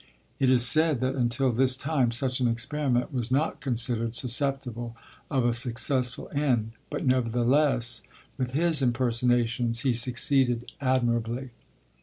It is said that until this time, such an experiment was not considered susceptible of a successful end, but nevertheless, with his impersonations he succeeded admirably.